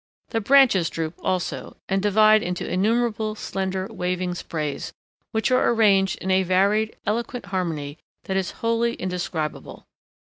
The branches droop also, and divide into innumerable slender, waving sprays, which are arranged in a varied, eloquent harmony that is wholly indescribable.